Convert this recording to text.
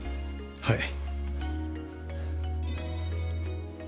はい。